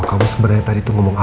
apakah itu benar atau tidak